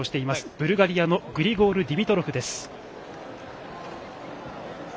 ブルガリアのグリゴール・ディミトロフです。